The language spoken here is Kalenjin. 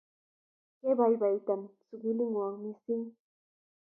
Kepaipaitan sukuli ng'wong' missing'